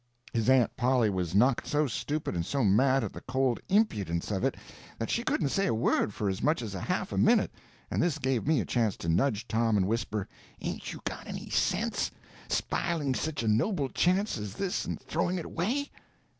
His aunt Polly was knocked so stupid and so mad at the cold impudence of it that she couldn't say a word for as much as a half a minute, and this gave me a chance to nudge Tom and whisper: "Ain't you got any sense? Sp'iling such a noble chance as this and throwing it away?"